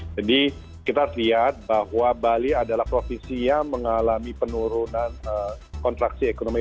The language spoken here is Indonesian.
kita harus lihat bahwa bali adalah provinsi yang mengalami penurunan kontraksi ekonomi